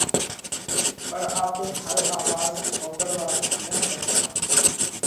پڻ آپي ھائي آواز ۿومڀۯوا نھ ڪرتا